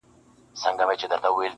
څوټپې نمکیني څو غزل خواږه خواږه لرم,